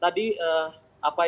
tadi apa yang disampaikan